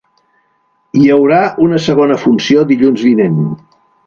Hi haurà una segona funció dilluns vinent.